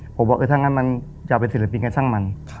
ผมบอกเออถ้างั้นมันอยากเป็นศิลปินกับช่างมัน